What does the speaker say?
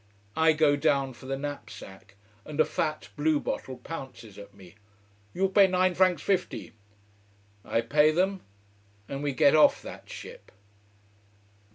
I go down for the knapsack, and a fat blue bottle pounces at me. "You pay nine francs fifty." I pay them, and we get off that ship.